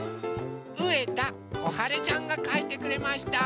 うえたこはれちゃんがかいてくれました。